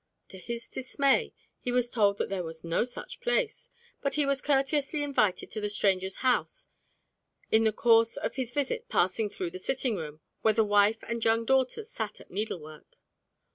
_" To his dismay he was told that there was no such place, but was courteously invited to the stranger's house, in the course of his visit passing through the sitting room, where the wife and young daughters sat at needlework.